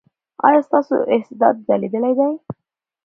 ایا ستاسو استعداد ځلیدلی دی؟